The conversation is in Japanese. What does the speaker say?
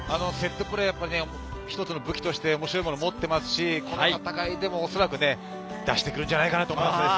セットプレーは一つの武器として面白いもの持ってますし、この戦いでもおそらく出してくるんじゃないかなと思います。